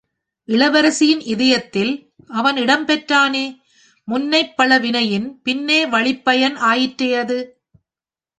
இளவரசியின் இதயத்தில் அவன் இடம்பெற்றானே? முன்னைப்பழ வினையின் பின்னே வழிப்பயன் ஆயிற்றே அது?